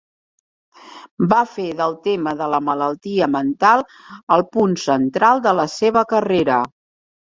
Va fer del tema de la malaltia mental el punt central de la seva carrera.